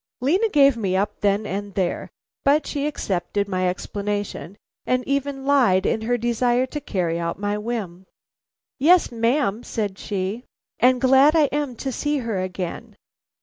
Lena gave me up then and there; but she accepted my explanation, and even lied in her desire to carry out my whim. "Yes, ma'am," said she, "and glad I am to see her again."